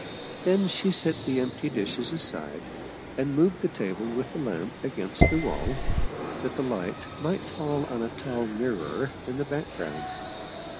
Then she set the empty dishes aside and moved the table with the lamp against the wall, that the light might fall on a tall mirror in the background.